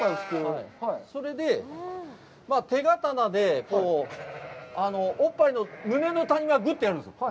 それで、手刀で、おっぱいの胸の谷間をグッとやるんですよ。